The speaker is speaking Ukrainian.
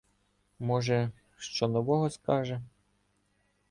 Може, що нового скаже.